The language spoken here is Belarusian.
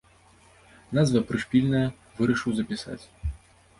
Назва прышпільная, вырашыў запісаць.